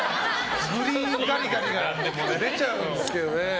グリーンガリガリが出ちゃうんですけどね。